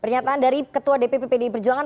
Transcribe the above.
pernyataan dari ketua dpp pdi perjuangan